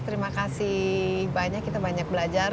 terima kasih banyak kita banyak belajar